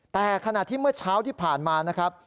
แต่ขณะที่เมื่อเช้าที่ผ่านมานะครับ